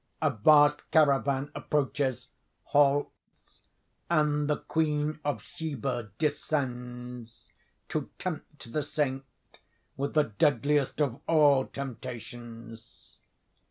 A vast caravan approaches, halts; and the Queen of Sheba descends to tempt the Saint with the deadliest of all temptations.